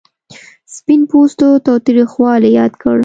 سپین پوستو تاوتریخوالی یاد کړ.